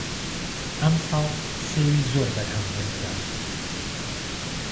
ئەمساڵ سێوی زۆر بەرهەم هێنرا